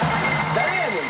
誰やねん？